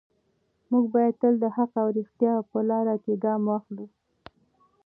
موږ باید تل د حق او ریښتیا په لاره کې ګام واخلو.